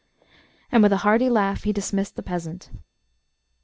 And with a hearty laugh he dismissed the peasant.